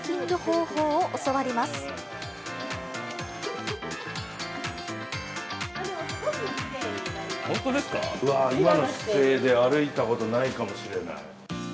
うわ、今の姿勢で歩いたことないかもしれない。